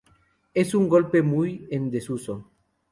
Es un golpe muy en desuso.